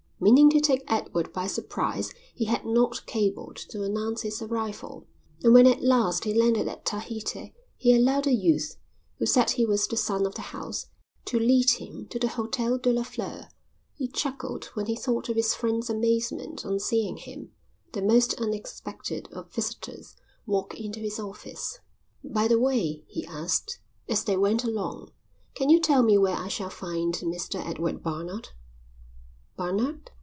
Meaning to take Edward by surprise he had not cabled to announce his arrival, and when at last he landed at Tahiti he allowed a youth, who said he was the son of the house, to lead him to the Hotel de la Fleur. He chuckled when he thought of his friend's amazement on seeing him, the most unexpected of visitors, walk into his office. "By the way," he asked, as they went along, "can you tell me where I shall find Mr. Edward Barnard?" "Barnard?"